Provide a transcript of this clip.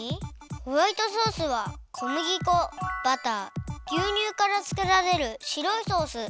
ホワイトソースはこむぎ粉バターぎゅうにゅうからつくられるしろいソース。